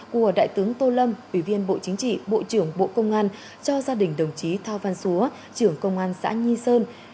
của đại tướng tô lâm ủy viên bộ chính trị bộ trưởng bộ công an cho gia đình đồng chí thao văn xúa trưởng công an xã nhi sơn